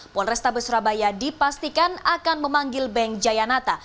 polrestabes surabaya dipastikan akan memanggil bank jayanata